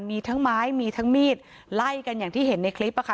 มีทั้งไม้มีทั้งมีดไล่กันอย่างที่เห็นในคลิปอะค่ะ